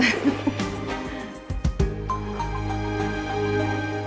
makasih ya tante